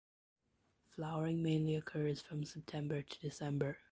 Flowering mainly occurs from September to December.